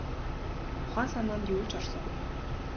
Ухаан санаанд нь юу ч орсонгүй.